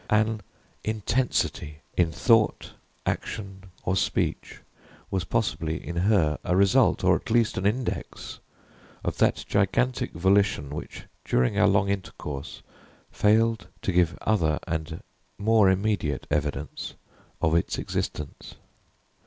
An intensity in thought, action, or speech was possibly, in her, a result, or at least an index, of that gigantic volition which, during our long intercourse, failed to give other and more immediate evidence of its existence.